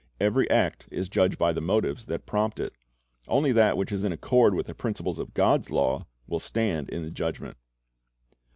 Every act is judged by the motives that prompt it. Only that which is in accord with the principles of God's law will stand in the Judgment.